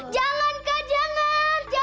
jangan kak jangan